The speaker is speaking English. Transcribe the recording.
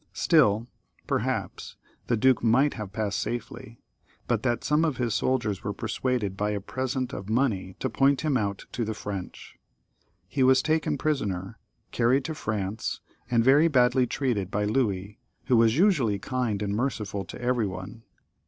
Still, perhaps, the duke might have passed safely, but that some of his soldiers were persuaded by.a present of money to point him out to the French. He was taken prisoner, carried to France, and very badly treated by Louis, who was usually kind and merciful to every one.